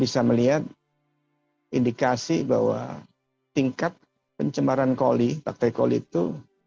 jika kita melihat video ini kita bisa melihat indikasi bahwa tingkat pencemaran bakteri koli itu